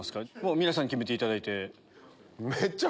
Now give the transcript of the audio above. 皆さん決めていただいて。